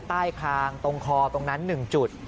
ใต้ครางตรงคอตรงนั้นหนึ่งจุด